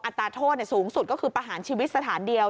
ตราโทษสูงสุดก็คือประหารชีวิตสถานเดียว